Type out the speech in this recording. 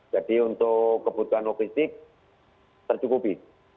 jadi untuk kebutuhan logistik tercukupi